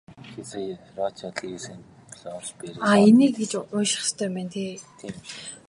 Rojo lives in Bloomsbury, London.